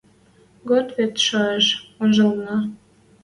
Год вет шоэш, ужделна...